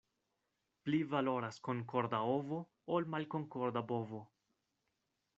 Pli valoras konkorda ovo, ol malkonkorda bovo.